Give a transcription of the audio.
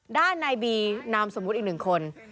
ด้านในบีนามสมมุติอีกหนึ่งคน